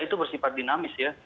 itu bersifat dinamis ya